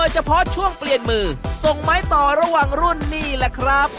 เฉพาะช่วงเปลี่ยนมือส่งไม้ต่อระหว่างรุ่นนี่แหละครับ